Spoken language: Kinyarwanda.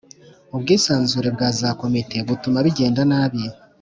Ubwisanzure bwa za Komite butuma bigenda nabi.